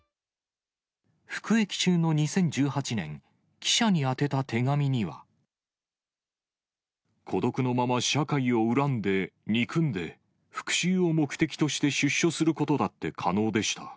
服役中の２０１８年、孤独のまま社会を恨んで、憎んで、復しゅうを目的として出所することだって可能でした。